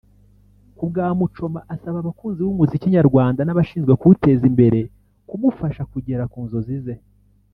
Ku bwa Muchoma asaba abakunzi b’umuziki nyarwanda n’abashinzwe kuwuteza imbere kumufasha kugera ku nzozi ze